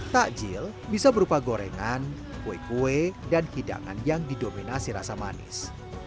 takjil bisa berupa gorengan kue kue dan hidangan yang didominasi rasa manis